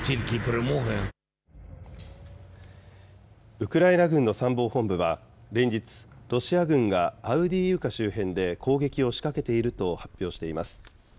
ウクライナ軍の参謀本部は連日、ロシア軍がアウディーイウカ周辺で攻撃を仕掛けていると発表しています。